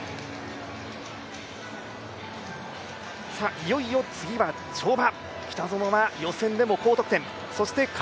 いよいよ次は跳馬。